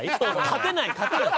勝てない勝てない！